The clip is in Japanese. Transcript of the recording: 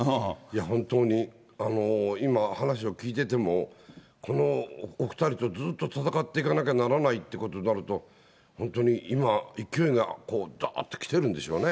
本当に今、話を聞いてても、このお２人とずっと戦っていかなきゃならないっていうことになると、本当に今、勢いがだーっときてるんでしょうね。